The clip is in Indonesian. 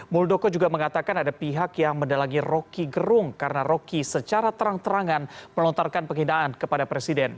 muldoko juga mengatakan ada pihak yang mendalangi rocky gerung karena rocky secara terang terangan melontarkan penghinaan kepada presiden